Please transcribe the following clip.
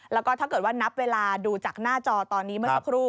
แล้วก็ถ้าเกิดว่านับเวลาดูจากหน้าจอตอนนี้เมื่อสักครู่